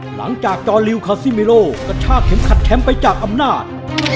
หลังจากจอลิวคาซิเมโลกระชากเข็มขัดแชมป์ไปจากอำนาจ